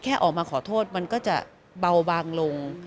แค่ออกมาขอโทษมันก็จะเบาบางลง